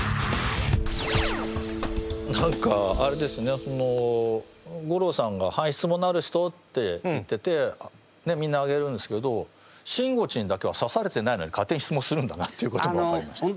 何かあれですね吾郎さんが「はい質問のある人」って言って手みんな挙げるんですけどしんごちんだけは指されてないのに勝手に質問するんだなっていうことが分かりました。